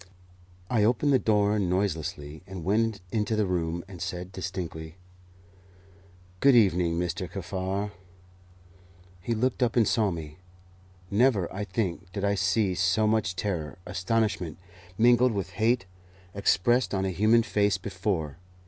I opened the door noiselessly and went into the room, and said distinctly, "Good evening, Mr. Kaffar." He looked up and saw me. Never, I think, did I see so much terror, astonishment, mingled with hate, expressed on a human face before.